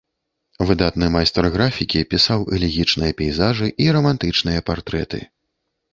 Выдатны майстар графікі пісаў элегічныя пейзажы і рамантычныя партрэты.